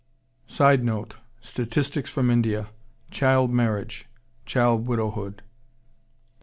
_" [Sidenote: Statistics from India. Child marriage; Child widowhood.